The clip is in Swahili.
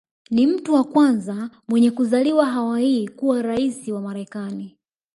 Ni mtu wa kwanza mwenye kuzaliwa Hawaii kuwa rais wa Marekani